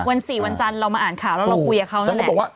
วัน๔วันจันทร์เรามาอ่านข่าวแล้วเราคุยกับเขานั่นแหละ